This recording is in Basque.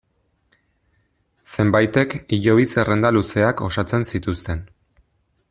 Zenbaitek hilobi zerrenda luzeak osatzen zituzten.